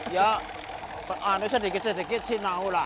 ya ini sedikit sedikit si nau lah